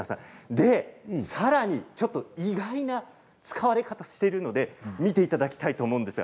さらに意外な使われ方をしているので見ていただきたいと思います。